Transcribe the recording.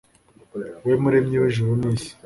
We Muremyi w’ijuru n’isi